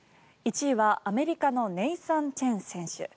１位はアメリカのネイサン・チェン選手。